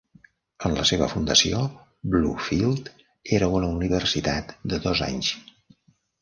En la seva fundació, Bluefield era una universitat de dos anys.